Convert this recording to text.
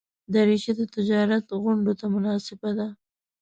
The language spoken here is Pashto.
دریشي د تجارت غونډو ته مناسبه ده.